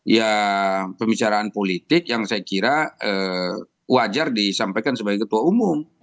ya pembicaraan politik yang saya kira wajar disampaikan sebagai ketua umum